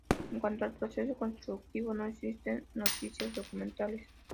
En cuanto al proceso constructivo, no existen noticias documentales.